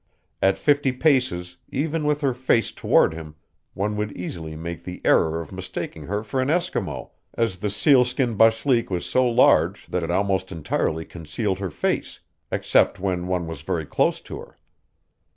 At fifty paces, even with her face toward him, one would easily make the error of mistaking her for an Eskimo, as the sealskin bashlyk was so large that it almost entirely concealed her face except when one was very close to her.